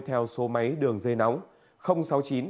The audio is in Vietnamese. theo số máy đường dây nóng